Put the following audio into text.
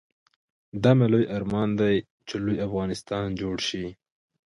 ولاړ شو، له شاتګ عمومي کاروان څخه ځانونه جلا وساتو.